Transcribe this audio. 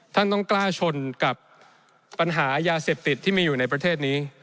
ท่านต้องกล้าชนกับปัญหายาเสพติดที่มีอยู่ในประเทศนี้